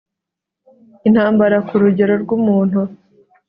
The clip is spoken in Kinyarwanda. intambara kurugero rwumuntu